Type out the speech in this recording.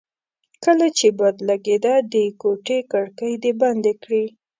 کله چې باد لګېده د کوټې کړکۍ دې بندې کړې.